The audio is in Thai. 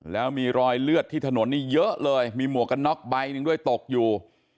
แล้วมีรอยเลือดที่ถนนนี่เยอะเลยมีหมวกกันน็อกใบหนึ่งด้วยตกอยู่